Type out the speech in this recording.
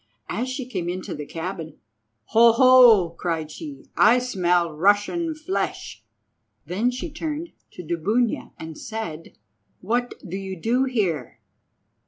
As she came into the cabin— "Ho, ho!" cried she, "I smell Russian flesh." Then she turned to Dubunia and said— "What do you do here?"